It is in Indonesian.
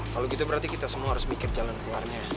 kalau gitu berarti kita semua harus mikir jalan keluarnya